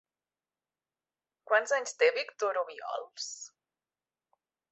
Quants anys té Víctor Obiols?